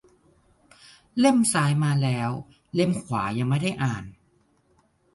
เล่มซ้ายมาแล้ว เล่มขวายังไม่ได้อ่าน